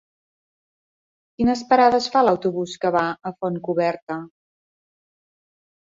Quines parades fa l'autobús que va a Fontcoberta?